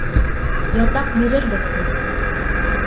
Ятаҡ бирербеҙ, тине.